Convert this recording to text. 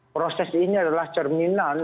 proses ini adalah cerminan